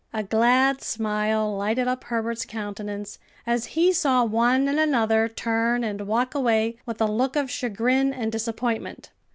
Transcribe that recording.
A glad smile lighted up Herbert's countenance, as he saw one and another turn and walk away with a look of chagrin and disappointment.